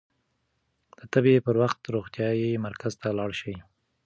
د تبې پر وخت روغتيايي مرکز ته لاړ شئ.